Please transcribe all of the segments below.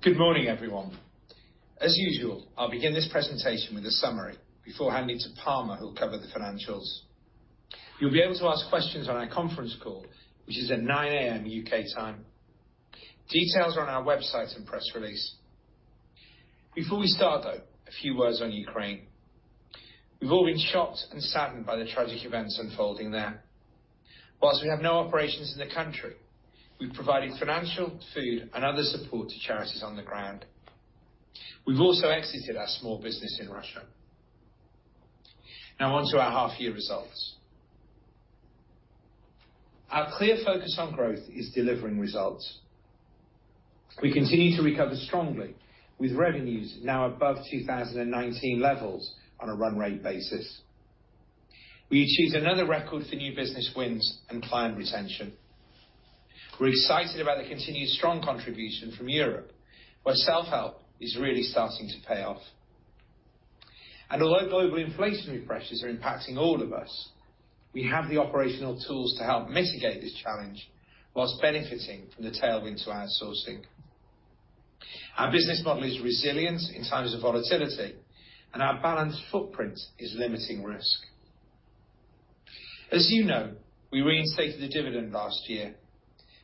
Good morning, everyone. As usual, I'll begin this presentation with a summary before handing to Palmer who'll cover the financials. You'll be able to ask questions on our Conference Call, which is at 9:00 A.M. U.K. time. Details are on our website and press release. Before we start, though, a few words on Ukraine. We've all been shocked and saddened by the tragic events unfolding there. While we have no operations in the country, we've provided financial, food, and other support to charities on the ground. We've also exited our small business in Russia. Now on to our half-year results. Our clear focus on growth is delivering results. We continue to recover strongly with revenues now above 2019 levels on a run rate basis. We achieved another record for new business wins and client retention. We're excited about the continued strong contribution from Europe, where self-help is really starting to pay off. Although global inflationary pressures are impacting all of us, we have the operational tools to help mitigate this challenge while benefiting from the tailwind to outsourcing. Our business model is resilient in times of volatility, and our balanced footprint is limiting risk. As you know, we reinstated the dividend last year,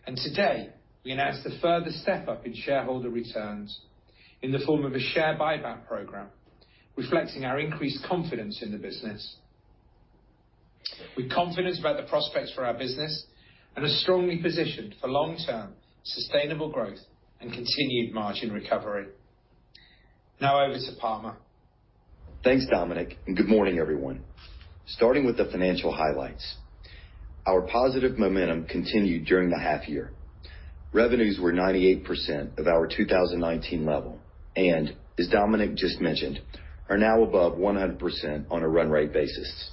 and today we announced a further step up in shareholder returns in the form of a share buyback program, reflecting our increased confidence in the business. We're confident about the prospects for our business and are strongly positioned for long-term sustainable growth and continued margin recovery. Now over to Palmer. Thanks, Dominic, and good morning, everyone. Starting with the financial highlights. Our positive momentum continued during the half-year. Revenues were 98% of our 2019 level and, as Dominic just mentioned, are now above 100% on a run rate basis.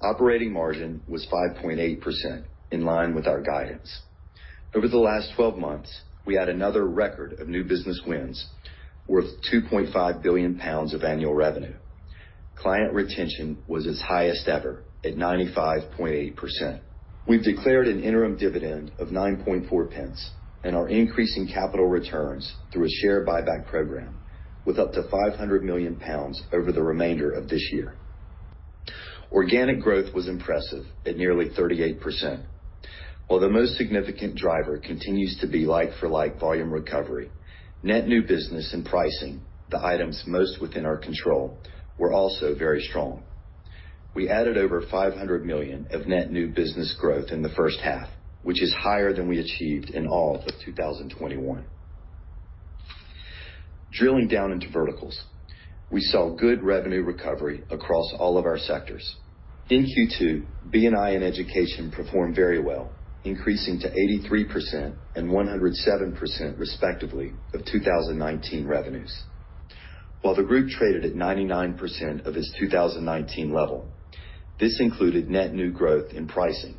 Operating margin was 5.8% in line with our guidance. Over the last 12 months, we had another record of new business wins worth 2.5 billion pounds of annual revenue. Client retention was its highest ever at 95.8%. We've declared an interim dividend of 0.094 and are increasing capital returns through a share buyback program with up to 500 million pounds over the remainder of this year. Organic growth was impressive at nearly 38%. While the most significant driver continues to be like-for-like volume recovery, net new business and pricing, the items most within our control, were also very strong. We added over 500 million of net new business growth in the first half, which is higher than we achieved in all of 2021. Drilling down into verticals, we saw good revenue recovery across all of our sectors. In Q2, B&I and Education performed very well, increasing to 83% and 107%, respectively, of 2019 revenues. While the group traded at 99% of its 2019 level, this included net new growth in pricing.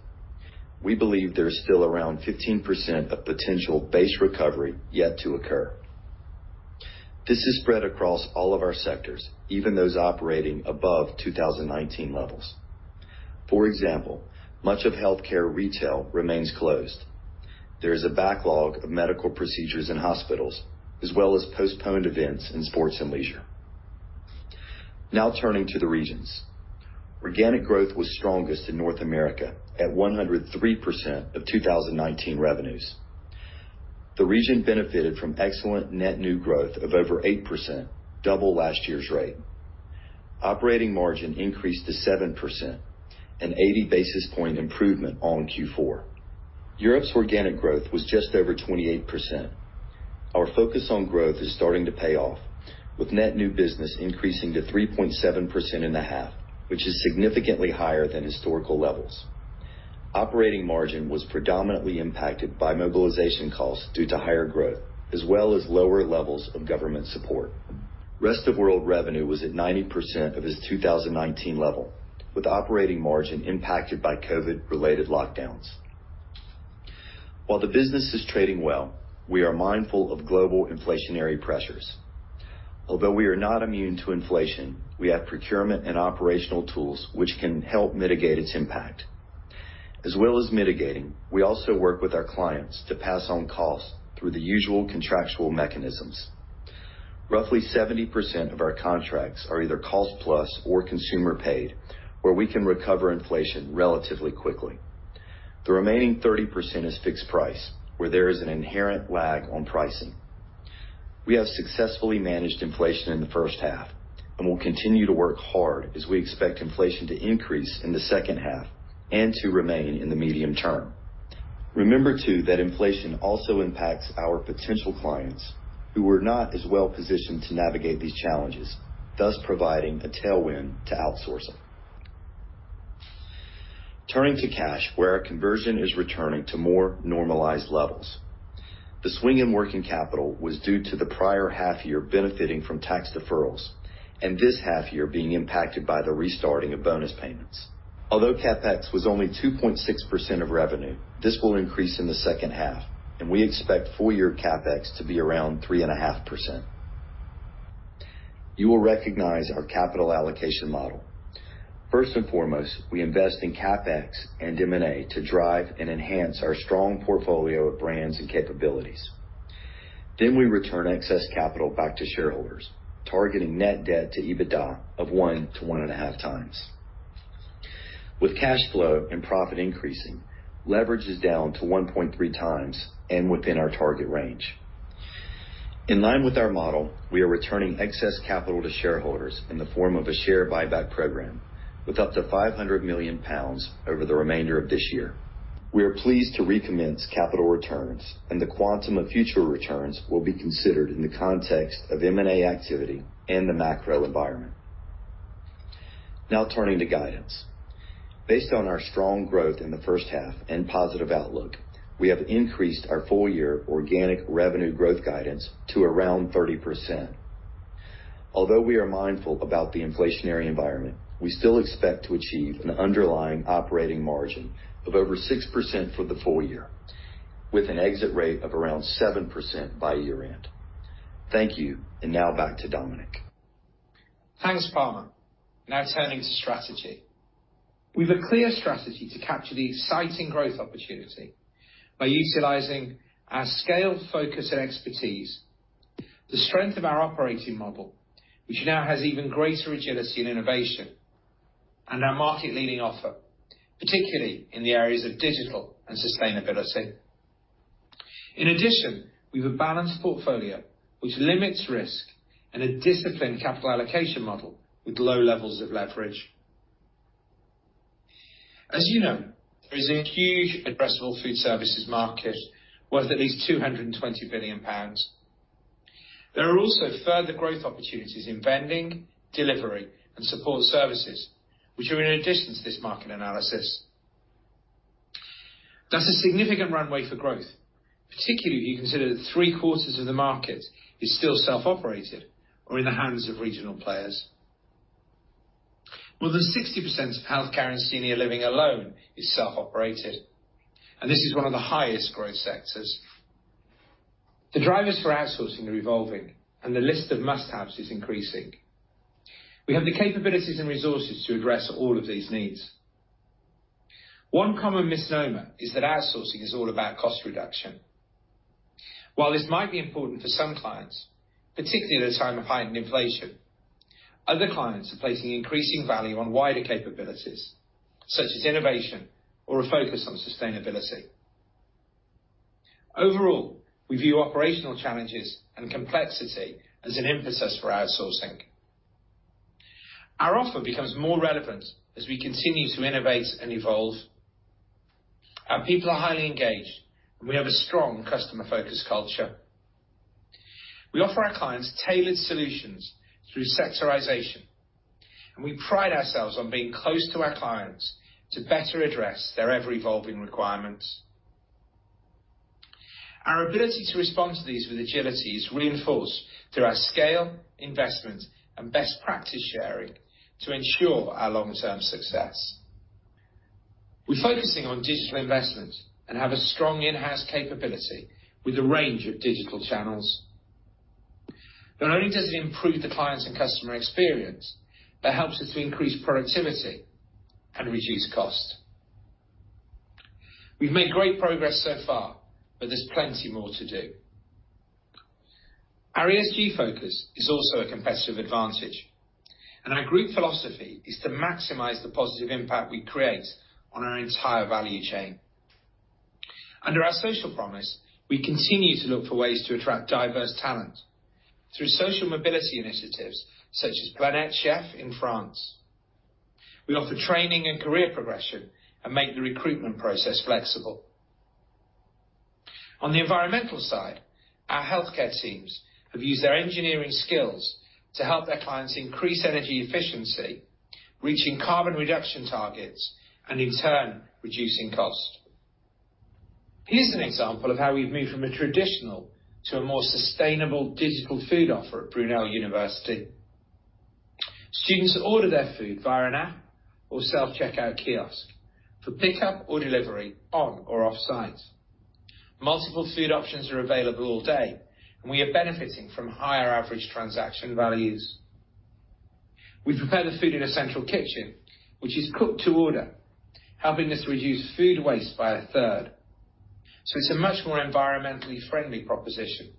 We believe there is still around 15% of potential base recovery yet to occur. This is spread across all of our sectors, even those operating above 2019 levels. For example, much of healthcare retail remains closed. There is a backlog of medical procedures in hospitals as well as postponed events in sports and leisure. Now turning to the regions. Organic growth was strongest in North America at 103% of 2019 revenues. The region benefited from excellent net new growth of over 8%, double last year's rate. Operating margin increased to 7%, an 80 basis point improvement on Q4. Europe's organic growth was just over 28%. Our focus on growth is starting to pay off, with net new business increasing to 3.7% in the half, which is significantly higher than historical levels. Operating margin was predominantly impacted by mobilization costs due to higher growth as well as lower-levels of government support. Rest of world revenue was at 90% of its 2019 level, with operating margin impacted by COVID-related lockdowns. While the business is trading well, we are mindful of global inflationary pressures. Although we are not immune to inflation, we have procurement and operational tools which can help mitigate its impact. As well as mitigating, we also work with our clients to pass on costs through the usual contractual mechanisms. Roughly 70% of our contracts are either cost plus or consumer paid, where we can recover inflation relatively quickly. The remaining 30% is fixed price, where there is an inherent lag on pricing. We have successfully managed inflation in the first half and will continue to work hard as we expect inflation to increase in the second half and to remain in the medium term. Remember, too, that inflation also impacts our potential clients who are not as well-positioned to navigate these challenges, thus providing a tailwind to outsourcing. Turning to cash, where our conversion is returning to more normalized levels. The swing in working capital was due to the prior half-year benefiting from tax deferrals and this half-year being impacted by the restarting of bonus payments. Although CapEx was only 2.6% of revenue, this will increase in the second half, and we expect full-year CapEx to be around 3.5%. You will recognize our capital allocation model. First and foremost, we invest in CapEx and M&A to drive and enhance our strong portfolio of brands and capabilities. Then we return excess capital back to shareholders, targeting net debt to EBITDA of 1x-1.5x. With cash flow and profit increasing, leverage is down to 1.3 times and within our target range. In line with our model, we are returning excess capital to shareholders in the form of a share buyback program with up to 500 million pounds over the remainder of this year. We are pleased to recommence capital returns, and the quantum of future returns will be considered in the context of M&A activity and the macro environment. Now turning to guidance. Based on our strong growth in the first half and positive outlook, we have increased our full-year organic revenue growth guidance to around 30%. Although we are mindful about the inflationary environment, we still expect to achieve an underlying operating margin of over 6% for the full-year, with an exit rate of around 7% by year-end. Thank you. Now back to Dominic. Thanks, Palmer. Now turning to strategy. We've a clear strategy to capture the exciting growth opportunity by utilizing our scaled focus and expertise, the strength of our operating model, which now has even greater agility and innovation, and our market-leading offer, particularly in the areas of digital and sustainability. In addition, we've a balanced portfolio which limits risk and a disciplined capital allocation model with low-levels of leverage. As you know, there is a huge addressable food services market worth at least 220 billion pounds. There are also further growth opportunities in vending, delivery, and support services, which are in addition to this market analysis. That's a significant runway for growth, particularly if you consider that three-quarters of the market is still self-operated or in the hands of regional players. More than 60% of healthcare and senior living alone is self-operated, and this is one of the highest-growth sectors. The drivers for outsourcing are evolving and the list of must-haves is increasing. We have the capabilities and resources to address all of these needs. One common misnomer is that outsourcing is all about cost reduction. While this might be important for some clients, particularly at a time of heightened inflation, other clients are placing increasing value on wider capabilities, such as innovation or a focus on sustainability. Overall, we view operational challenges and complexity as an impetus for outsourcing. Our offer becomes more relevant as we continue to innovate and evolve. Our people are highly-engaged, and we have a strong customer focus culture. We offer our clients tailored solutions through sectorization, and we pride ourselves on being close to our clients to better address their ever-evolving requirements. Our ability to respond to these with agility is reinforced through our scale, investment, and best practice sharing to ensure our long-term success. We're focusing on digital investment and have a strong in-house capability with a range of digital channels. Not only does it improve the clients' and customer experience, but helps us to increase productivity and reduce cost. We've made great progress so far, but there's plenty more to do. Our ESG focus is also a competitive advantage, and our group philosophy is to maximize the positive impact we create on our entire value chain. Under our social promise, we continue to look for ways to attract diverse talent through social mobility initiatives such as Planète Chef in France. We offer training and career progression and make the recruitment process flexible. On the environmental side, our healthcare teams have used their engineering skills to help their clients increase energy efficiency, reaching carbon reduction targets, and in turn, reducing cost. Here's an example of how we've moved from a traditional to a more sustainable digital food offer at Brunel University. Students order their food via an app or self-checkout kiosk for pickup or delivery on or off-site. Multiple food options are available all day, and we are benefiting from higher average transaction values. We prepare the food in a central kitchen, which is cooked to order, helping us reduce food waste by a third. It's a much more environmentally friendly proposition.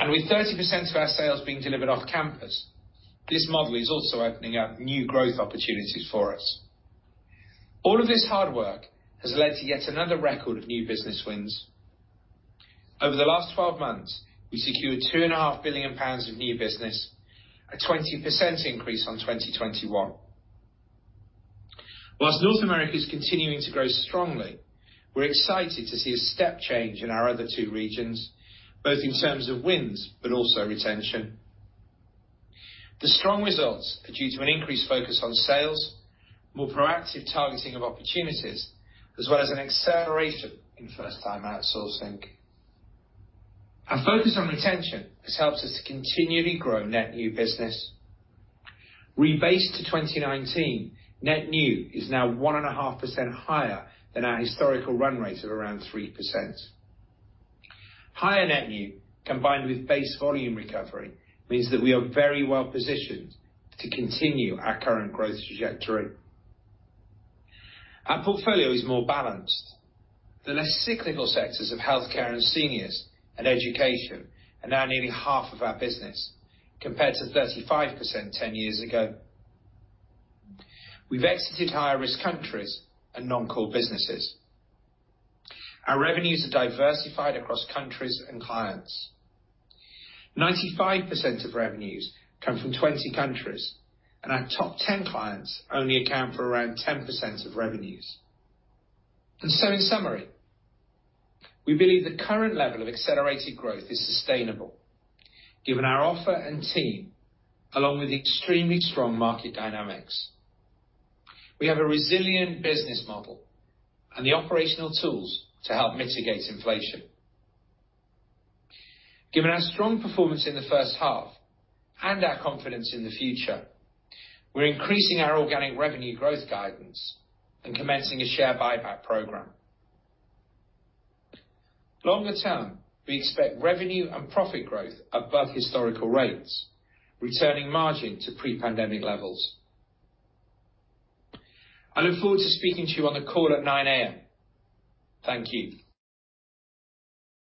With 30% of our sales being delivered off-campus, this model is also opening up new growth opportunities for us. All of this hard work has led to yet another record of new business wins. Over the last 12 months, we secured 2 and a half billion of new business, a 20% increase on 2021. While North America is continuing to grow strongly, we're excited to see a step change in our other two regions, both in terms of wins but also retention. The strong results are due to an increased focus on sales, more proactive targeting of opportunities, as well as an acceleration in first-time outsourcing. Our focus on retention has helped us to continually grow net new business. Rebased to 2019, net new is now 1.5% higher than our historical run rate of around 3%. Higher net new, combined with base volume recovery, means that we are very well-positioned to continue our current growth trajectory. Our portfolio is more balanced. The less cyclical sectors of healthcare and seniors and education are now nearly half of our business, compared to 35% 10 years ago. We've exited higher-risk countries and non-core businesses. Our revenues are diversified across countries and clients. 95% of revenues come from 20 countries, and our top 10 clients only account for around 10% of revenues. In summary, we believe the current level of accelerated growth is sustainable, given our offer and team, along with the extremely strong market dynamics. We have a resilient business model and the operational tools to help mitigate inflation. Given our strong performance in the first half and our confidence in the future, we're increasing our organic revenue growth guidance and commencing a share buyback program. Longer-term, we expect revenue and profit growth above historical rates, returning margin to pre-pandemic levels. I look forward to speaking to you on the call at 9:00 A.M. Thank you.